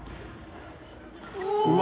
うわ！